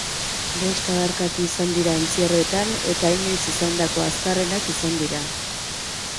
Bost adarkatu izan dira entzierroetan eta inoiz izandako azkarrenak izan dira.